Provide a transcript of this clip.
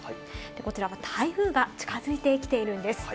こちらは台風が近づいてきているんです。